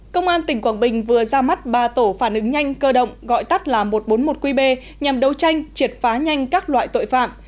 công an tỉnh quảng bình vừa ra mắt ba tổ phản ứng nhanh cơ động gọi tắt là một trăm bốn mươi một qb nhằm đấu tranh triệt phá nhanh các loại tội phạm